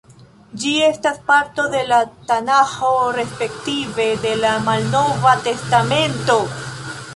Ĝi estas parto de la Tanaĥo respektive de la Malnova Testamento.